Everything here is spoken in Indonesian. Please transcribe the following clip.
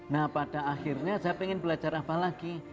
nah pada akhirnya saya ingin belajar apa lagi